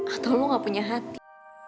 atau lo gak punya hati